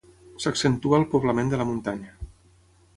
S'accentua el poblament de la muntanya.